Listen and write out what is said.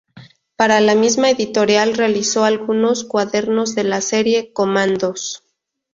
Para la misma editorial realizó algunos cuadernos de la serie "comandos".